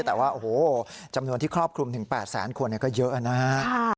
แต่ว่าโอ้โหจำนวนที่ครอบคลุมถึง๘แสนคนก็เยอะนะฮะ